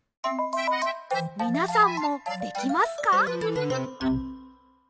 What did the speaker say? みなさんもできますか？